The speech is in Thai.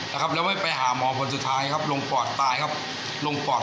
นะครับแล้วไม่ไปหาหมอคนสุดท้ายครับลงปอดตายครับลงปอด